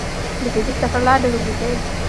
د فزیک سفر لا ډېر اوږ دی.